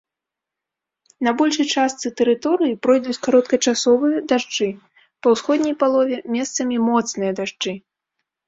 На большай частцы тэрыторыі пройдуць кароткачасовыя дажджы, па ўсходняй палове месцамі моцныя дажджы.